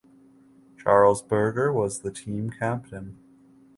Charles Burger was the team captain.